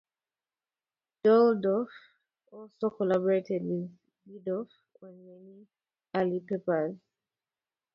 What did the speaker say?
Dalldorf also collaborated with Gifford on many early papers.